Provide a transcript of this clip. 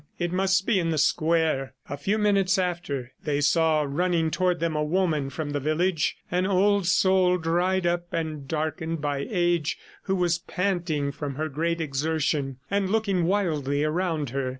It must be in the square." A few minutes after they saw running toward them a woman from the village, an old soul, dried up and darkened by age, who was panting from her great exertion, and looking wildly around her.